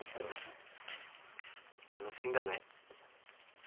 楽しいんだね。